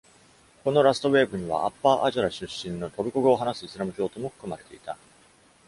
このラストウエーブには、アッパーアジャラ出身のトルコ語を話すイスラム教徒も含まれていた。